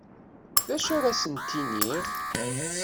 D acu ara asent-iniɣ?